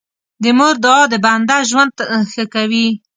د مور دعا د بنده ژوند ښه کوي.